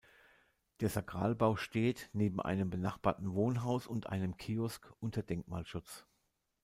Der Sakralbau steht, neben einem benachbarten Wohnhaus und einem Kiosk, unter Denkmalschutz.